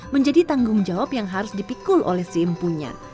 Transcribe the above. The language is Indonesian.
menjadi tanggung jawab yang harus dipikul oleh si impunya